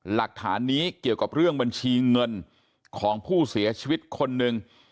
หลักฐานนี้เกี่ยวกับเรื่องบัญชีเงินของผู้เสียชีวิตคนหนึ่ง